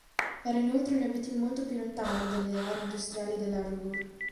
Era inoltre un obiettivo molto più lontano delle aree industriali della Ruhr.